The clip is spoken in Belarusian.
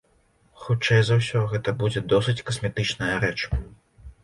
Хутчэй за ўсё, гэта будзе досыць касметычная рэч.